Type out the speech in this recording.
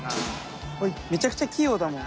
めちゃくちゃ器用だもん。